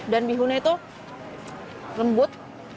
dan bihunnya itu lembut